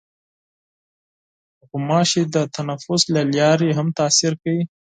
غوماشې د تنفس له لارې هم تاثیر کوي.